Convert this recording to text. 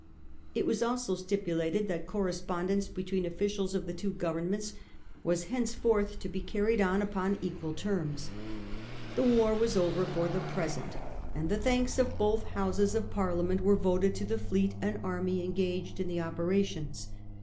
It was also stipulated that corre spondence between officials of the two Governments was thenceforth to be carried on upon equal terms. The war was over for the present, and the thanks of both Houses of Parliament were voted to the fleet and army engaged in the operations.